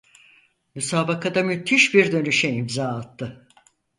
Müsabakada müthiş bir dönüşe imza attı.